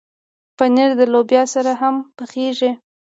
پنېر د لوبیا سره هم پخېږي.